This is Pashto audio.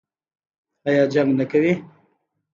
ایا جنګ نه کوي؟